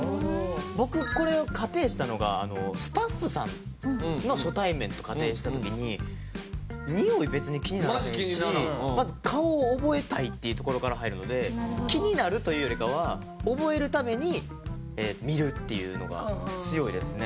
僕これを仮定したのがスタッフさんの初対面と仮定した時に匂い別に気にならへんしまず顔を覚えたいっていうところから入るので気になるというよりかは覚えるために見るっていうのが強いですね。